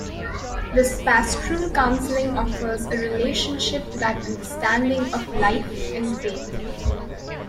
Thus pastoral counseling offers a relationship to that understanding of life and faith.